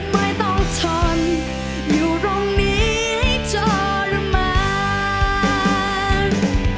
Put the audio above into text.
ไม่ต้องทนอยู่ตรงนี้ให้ทรมาน